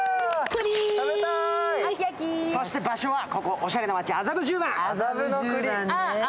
そして場所はここおしゃれな街、麻布十番。